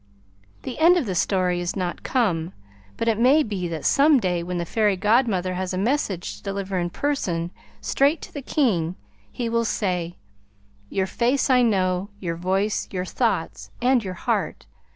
The end of the story is not come, but it may be that some day when the Fairy Godmother has a message to deliver in person straight to the King, he will say: "Your face I know; your voice, your thoughts, and your heart.